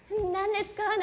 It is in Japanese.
何ですか？